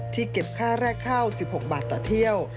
เก็บค่าแรกเข้า๑๖บาทต่อเที่ยว